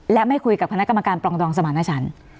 และไม่คุยกับคณะกรรมการปรองดองสมารณชัน